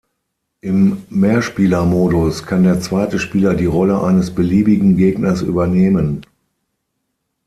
Im Mehrspielermodus kann der zweite Spieler die Rolle eines beliebigen Gegners übernehmen.